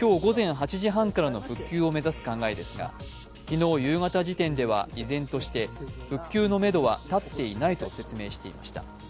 今日午前８時半からの復旧を目指す考えですが昨日夕方時点では、依然として復旧のめどは立っていないと説明していました